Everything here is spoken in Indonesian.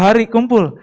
dua hari kumpul